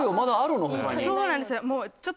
他にそうなんですよ